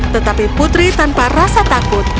tetapi putri tanpa rasa takut